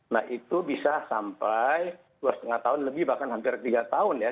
nah itu bisa sampai dua lima tahun lebih bahkan hampir tiga tahun ya